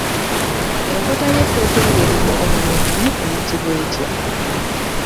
Enkota y’ettooke ng’eriko omunwe gumu eyitibwa etya?